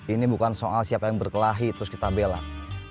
ini bukan soal siapa yang berkelahi terus kita belak